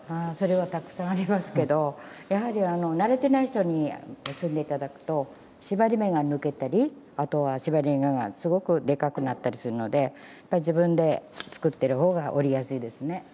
それはたくさんありますけどやはり、慣れてない人に結んでいただくと縛り目が抜けたりあとは、縛り目がすごくでかくなったりするので自分で作っているほうが織りやすいですね。